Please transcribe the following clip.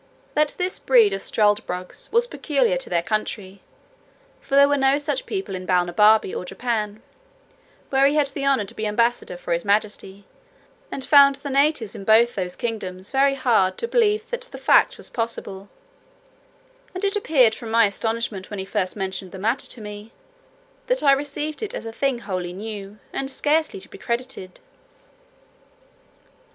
That this breed of struldbrugs was peculiar to their country, for there were no such people either in Balnibarbi or Japan, where he had the honour to be ambassador from his majesty, and found the natives in both those kingdoms very hard to believe that the fact was possible: and it appeared from my astonishment when he first mentioned the matter to me, that I received it as a thing wholly new, and scarcely to be credited.